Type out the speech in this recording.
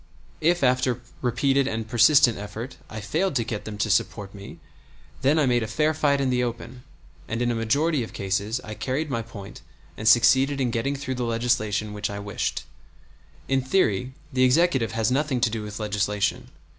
If after repeated and persistent effort I failed to get them to support me, then I made a fair fight in the open, and in a majority of cases I carried my point and succeeded in getting through the legislation which I wished. In theory the Executive has nothing to do with legislation.